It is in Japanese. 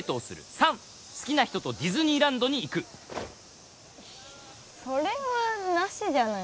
３好きな人とディズニーランドに行くそれはなしじゃない？